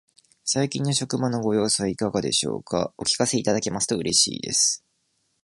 最近の職場のご様子はいかがでしょうか。お聞かせいただけますと嬉しいです。